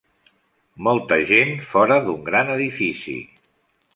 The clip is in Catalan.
Molta gent fora d'un gran edifici.